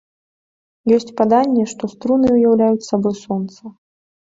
Ёсць паданне, што струны уяўляюць сабой сонца.